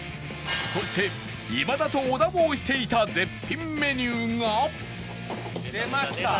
そして今田と小田も推していた絶品メニューが出ました！